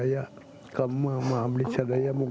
saya ingin membahagiai orang tua